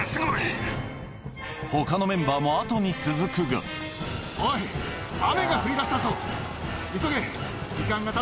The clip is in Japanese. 他のメンバーも後に続くがおぉうわヤ